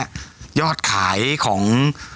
ยอดขายของ